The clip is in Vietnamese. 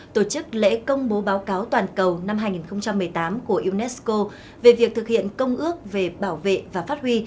tổ chức lễ công bố báo cáo toàn cầu năm hai nghìn một mươi tám của unesco về việc thực hiện công ước về bảo vệ và phát huy